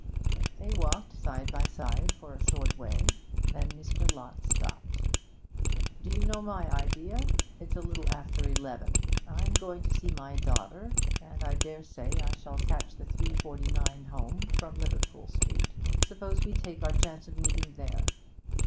They walked side by side for a short way, then Mr. Lott stopped. 'Do you know my idea? It's a little after eleven. I'm going to see my daughter, and I dare say I shall catch the 3.49 home from Liverpool Street. Suppose we take our chance of meeting there?'